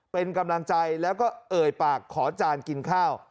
เป็นกำลังใจแล้วก็เอ่ยปากขอจานกินข้าว